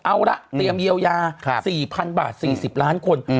เอาละเตรียมเยียวยา๔๐๐๐บาท๔๐ล้านคน